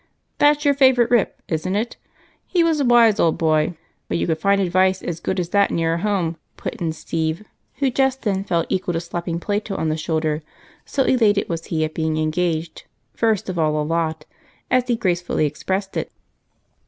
"That's your favorite Rip, isn't it? He was a wise old boy, but you could find advice as good as that nearer home," put in Steve, who just then felt equal to slapping Plato on the shoulder, so elated was he at being engaged "first of all the lot," as he gracefully expressed it.